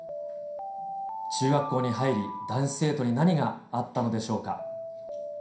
中学校に入り、男子生徒に何があったのでしょうか。